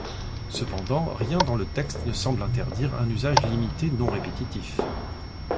Cependant, rien dans le texte ne semble interdire un usage limité non répétitif.